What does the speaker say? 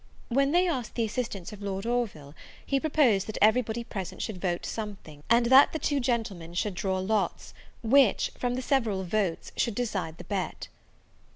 When they asked the assistance of Lord Orville, he proposed that every body present should vote something; and that the two gentlemen should draw lots which, from the several votes, should decide the bet.